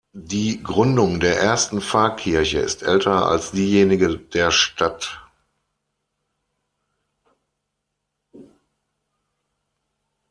Die Gründung der ersten Pfarrkirche ist älter als diejenige der Stadt.